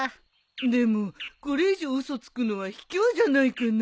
でもこれ以上嘘つくのはひきょうじゃないかな。